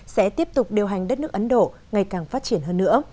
sẽ tiếp tục điều hành đất nước ấn độ ngày càng phát triển hơn nữa